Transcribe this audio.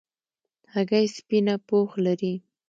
هګۍ سپینه پوښ لري.